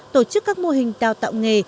tổ chức các mô hình đào tạo nghề